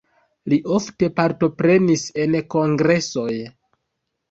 Li ofte partoprenis en kongresoj.